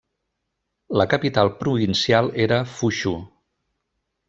La capital provincial era Fuchū.